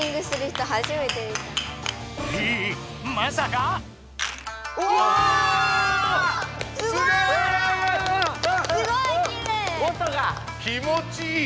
すごい！